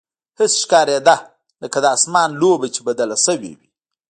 هسې ښکارېده لکه د اسمان لوبه چې بدله شوې وي.